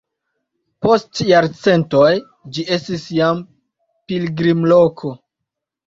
Post jarcentoj ĝi estis jam pilgrimloko.